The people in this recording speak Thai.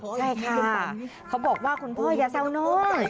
ใช่ค่ะเขาบอกว่าคุณพ่ออย่าแซวน้อง